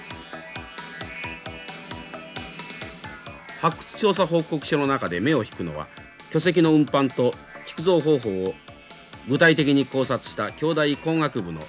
発掘調査報告書の中で目を引くのは巨石の運搬と築造方法を具体的に考察した京大工学部の高橋夫教授の論文です。